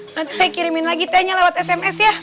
nanti saya kirimin lagi tehnya lewat sms ya